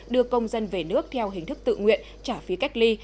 đưa công dân về nước theo hình thức tự nguyện trả phí cách ly